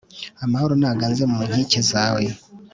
amahoro naganze mu nkike zawe